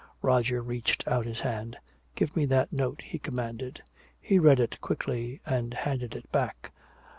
Roger reached out his hand. "Give me that note," he commanded. He read it quickly and handed it back.